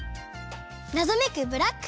なぞめくブラック